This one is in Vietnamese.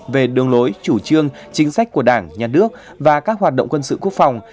về đường lối chủ trương chính sách của đảng nhà nước và các hoạt động quân sự quốc phòng